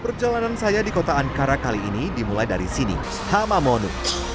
perjalanan saya di kota ankara kali ini dimulai dari sini hamamonu